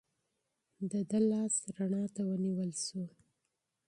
د ده لاس رڼا ته ونیول شو.